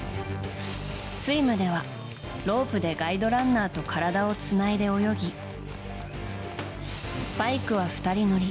スイムではロープでガイドランナーと体をつないで泳ぎバイクは２人乗り。